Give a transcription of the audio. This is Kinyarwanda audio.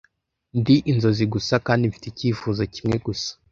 ndi inzozi gusa kandi mfite icyifuzo kimwe gusa